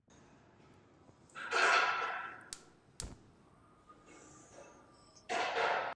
The magazine was the major representative of symbolism in Denmark.